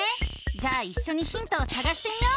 じゃあいっしょにヒントをさがしてみよう！